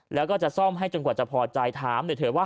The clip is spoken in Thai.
แล้วก็จะซ่อมให้จนกว่าจะพอใจถามหน่อยเถอะว่า